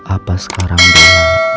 apa sekarang udah